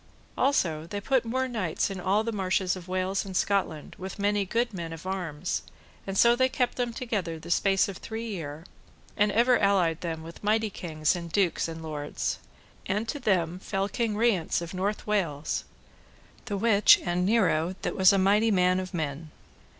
Also they put more knights in all the marches of Wales and Scotland, with many good men of arms, and so they kept them together the space of three year, and ever allied them with mighty kings and dukes and lords. And to them fell King Rience of North Wales, the which and Nero that was a mighty man of men.